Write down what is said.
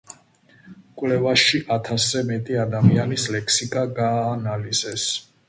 კვლევაში ათასზე მეტი ადამიანის ლექსიკა გააანალიზეს.